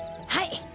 はい！